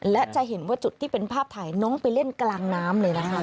และจะเห็นว่าจุดที่เป็นภาพถ่ายน้องไปเล่นกลางน้ำเลยนะคะ